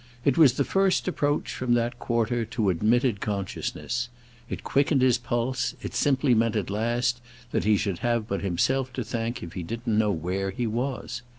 It was the first approach, from that quarter, to admitted consciousness; it quickened his pulse; it simply meant at last that he should have but himself to thank if he didn't know where he was.